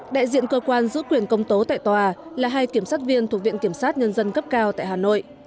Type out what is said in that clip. đại diện cơ quan giữ quyền công tố tại tòa là hai kiểm sát viên thuộc viện kiểm sát nhân dân cấp cao tại hà nội